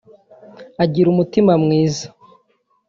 Agira umutima mwiza